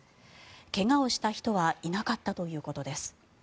怪我をした人はいなかったということです。